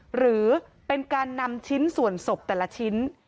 หรือเป็นการนำชิ้นส่วนศพแต่ละชิ้น